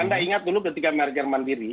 anda ingat dulu ketika merger mandiri